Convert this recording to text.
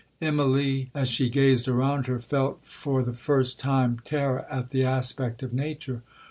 'Immalee, as she gazed around her, felt, for the first time, terror at the aspect of nature.